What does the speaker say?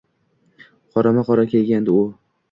Qorama-qora kelgandi u